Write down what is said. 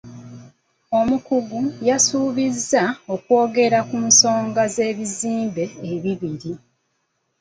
Omukungu yasuubizza okwogera ku nsonga y'ebizimbe ebibi.